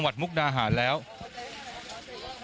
และมีความหวาดกลัวออกมา